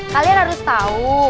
kalian harus tahu